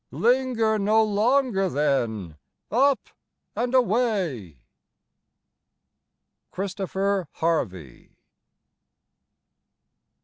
Linger no longer then : up and away. Christopher Harvey.